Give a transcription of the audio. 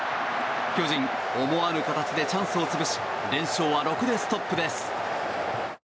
巨人、思わぬ形でチャンスを潰し連勝は６でストップです。